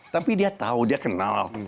tapi dia tahu dia kenal